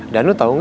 danu tau gak